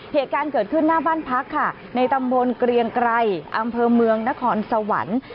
เหตุการณ์เกิดขึ้นหน้าบ้านพักค่ะในตำบลเกรียงไกรอำเภอเมืองนครสวรรค์